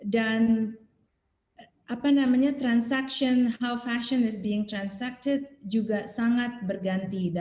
dan apa namanya transaksi bagaimana fashion yang di transaksi juga sangat berganti